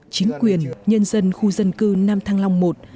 chính quyền nhân dân khu dân cư nam thang long i